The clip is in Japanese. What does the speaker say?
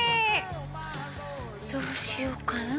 どうしようかな？